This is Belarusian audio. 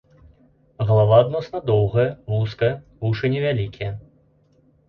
Галава адносна доўгая, вузкая, вушы невялікія.